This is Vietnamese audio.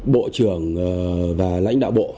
bộ trưởng và lãnh đạo bộ